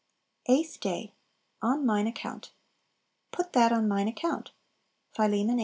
8. Eighth Day. "On mine Account." "Put that on mine account." Philem.